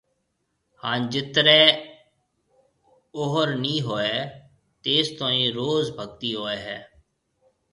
ھان جِترَي اوھر نِي ھوئيَ تيستوئين روز ڀگتي ھوئيَ ھيََََ